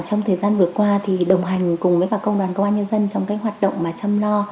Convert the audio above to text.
trong thời gian vừa qua thì đồng hành cùng với bà công đoàn công an nhân dân trong cái hoạt động mà chăm lo